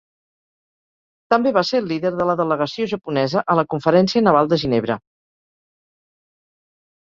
També va ser el líder de la delegació japonesa a la Conferència Naval de Ginebra.